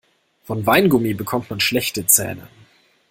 Von Weingummi bekommt man schlechte Zähne.